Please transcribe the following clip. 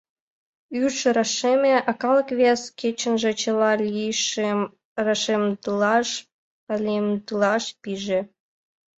Юж рашеме, а калык вес кечынже чыла лийшым рашемдылаш-палемдылаш пиже.